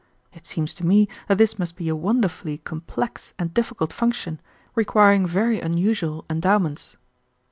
It seems to me that this must be a wonderfully complex and difficult function, requiring very unusual endowments."